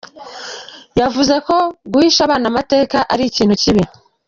Yavuze ko guhisha abana amateka ari ikintu kibi.